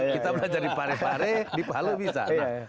kita belajar di pare pare di palu bisa